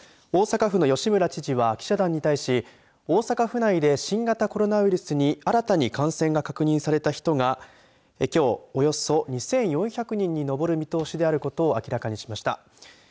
大阪府の吉村知事は記者団に対し大阪府内で新型コロナウイルスに新たに感染が確認された人がきょう、およそ２４００人に上る見通しであることを明らかにしました。